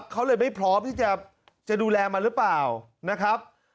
เขาเลยไม่พร้อมที่จะดูแลมันหรือเปล่านะครับ